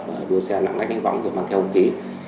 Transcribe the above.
và đua xe nặng nách hình vọng để mang theo hông khí